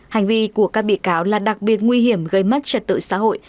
hành vi của các bị cáo là đặc biệt nguy hiểm gây mất trật tự xã hội